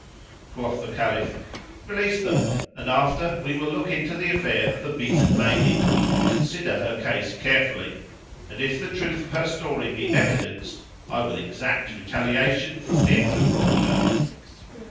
Quoth the Caliph, "Release them and after we will look into the affair of the beaten lady and consider her case carefully; and if the truth of her story be evidenced I will exact retaliation[FN#352] from him who wronged her."